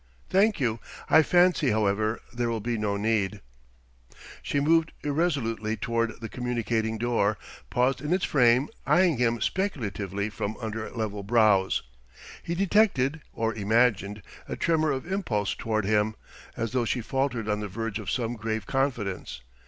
"Thank you. I fancy, however, there will be no need." She moved irresolutely toward the communicating door, paused in its frame, eyeing him speculatively from under level brows. He detected, or imagined, a tremor of impulse toward him, as though she faltered on the verge of some grave confidence.